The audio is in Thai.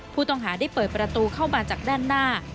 ผู้ต้องหาได้เปิดประตูเข้ามาจากด้านหน้า